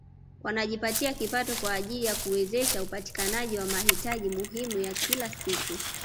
Wanajipatia kipato kwa ajili ya kuwezesha upatikanaji wa mahitaji muhimu ya kila siku